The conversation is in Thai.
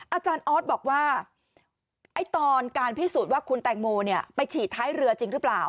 อาจารย์ออสบอกว่าตอนการพิสูจน์ว่าคุณแตงโมไปฉีดท้ายเรือจริงหรือเปล่า